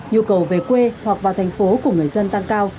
nhu cầu về quê hoặc vào thành phố của người dân tăng cao